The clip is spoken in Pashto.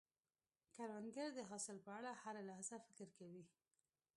کروندګر د حاصل په اړه هره لحظه فکر کوي